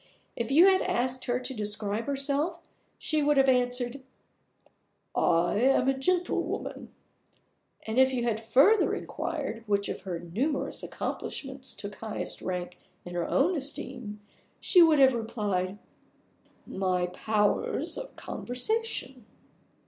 If you had asked her to describe herself, she would have answered, "I am a gentlewoman"; and if you had further inquired which of her numerous accomplishments took highest rank in her own esteem, she would have replied, "My powers of conversation."